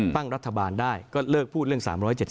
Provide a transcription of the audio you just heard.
ตั้งรัฐบาลได้ก็เลิกพูดเรื่อง๓๗๒